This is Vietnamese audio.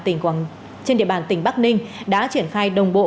tỉnh bắc ninh đã triển khai đồng bộ